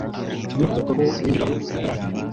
Sinifuzaga ko winjira hano bataragenda